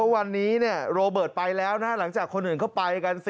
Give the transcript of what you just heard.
วันนี้โรเบิร์ตไปแล้วนะหลังจากคนอื่นเข้าไปกัน